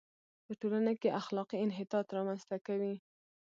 په ټولنه کې اخلاقي انحطاط را منځ ته کوي.